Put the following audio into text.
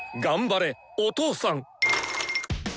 頑張れお父さん！